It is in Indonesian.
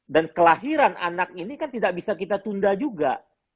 dan kelahiran anak ini kan tidak bisa kita tunda juga